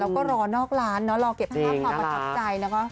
แล้วก็รอนอกร้านเนอะรอเก็บภาพความประทับใจนะคะ